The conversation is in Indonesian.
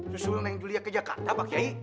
susulin aja dia ke jakarta pak kiai